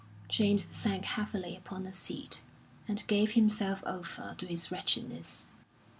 James sank heavily upon a seat, and gave himself over to his wretchedness.